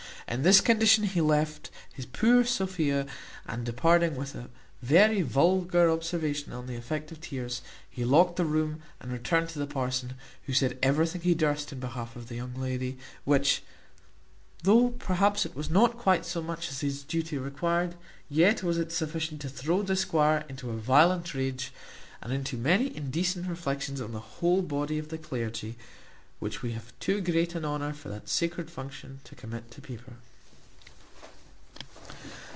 In this condition he left his poor Sophia, and, departing with a very vulgar observation on the effect of tears, he locked the room, and returned to the parson, who said everything he durst in behalf of the young lady, which, though perhaps it was not quite so much as his duty required, yet was it sufficient to throw the squire into a violent rage, and into many indecent reflections on the whole body of the clergy, which we have too great an honour for that sacred function to commit to paper.